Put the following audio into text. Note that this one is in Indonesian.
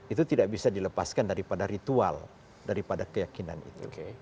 itu tidak bisa dilepaskan daripada ritual daripada keyakinan itu